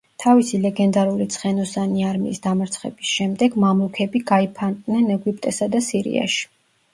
თავისი ლეგენდარული ცხენოსანი არმიის დამარცხების შემდეგ, მამლუქები გაიფანტნენ ეგვიპტესა და სირიაში.